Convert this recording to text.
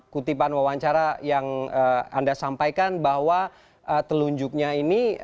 kutipan wawancara yang anda sampaikan bahwa telunjuknya ini